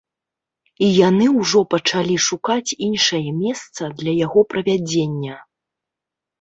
І яны ўжо пачалі шукаць іншае месца для яго правядзення.